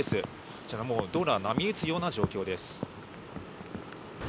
こちらもう、道路は波打つような状況です。